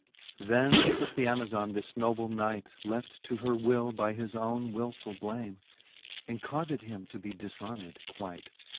XX. Then tooke the Amazon this noble knight. Left to her will by his owne wilfull blame, And caufed him to be difarmed quight.